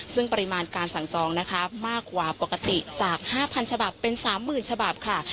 ซึ่งปริมาณการสั่งจองนะคะมากกว่าปกติจาก๕๐๐ฉบับเป็น๓๐๐๐ฉบับค่ะ